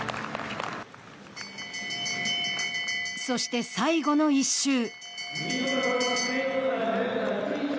そして最後の１周。